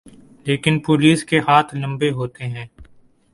لیکن پولیس کے ہاتھ لمبے ہوتے ہیں۔